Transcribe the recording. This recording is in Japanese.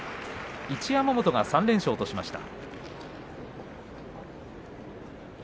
一山本が３連勝としました。